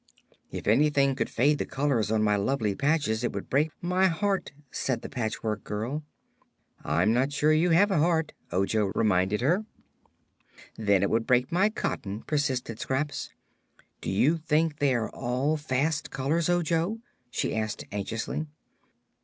"If anything should fade the colors of my lovely patches it would break my heart," said the Patchwork Girl. "I'm not sure you have a heart," Ojo reminded her. "Then it would break my cotton," persisted Scraps. "Do you think they are all fast colors, Ojo?" she asked anxiously.